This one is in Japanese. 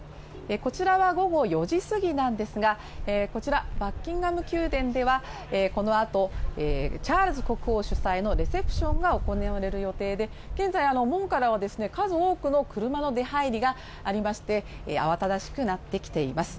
こちらは午後４時すぎなんですが、こちら、バッキンガム宮殿ではこのあとチャールズ国王主催のレセプションが行われる予定で現在、門からは数多くの車の出入りがありまして、慌ただしくなってきています。